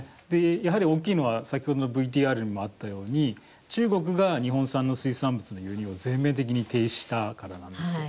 やはり、大きいのは先ほどのＶＴＲにもあったように中国が日本産の水産物の輸入を全面的に停止したからなんです。